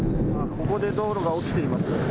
ここで道路が落ちています。